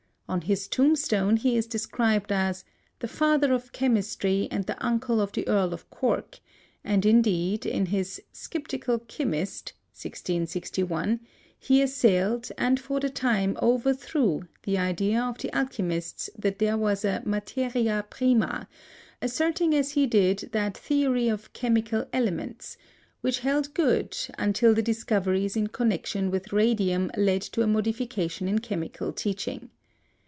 On his tombstone he is described as "The Father of Chemistry and the Uncle of the Earl of Cork", and, indeed, in his Skyptical Chimist (1661), he assailed, and for the time overthrew, the idea of the alchemists that there was a materia prima, asserting as he did that theory of chemical "elements" which held good until the discoveries in connection with radium led to a modification in chemical teaching.